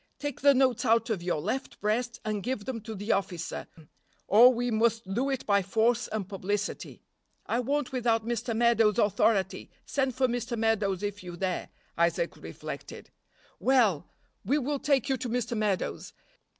Take the notes out of your left breast and give them to the officer, or we must do it by force and publicity." "I won't without Mr. Meadows' authority. Send for Mr. Meadows if you dare." Isaac reflected. "Well! we will take you to Mr. Meadows.